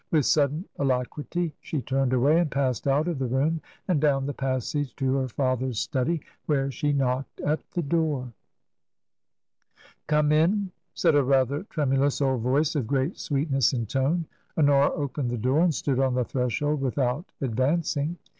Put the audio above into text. With sudden alacrity she turned away and passed out of the room and down the passage to her father's study, where she knocked at the door. 14 TRANSITION. " Come in," said a rather tremulous old voice of great sweetness in tone. Honora opened the door and stood on the threshold without advancing.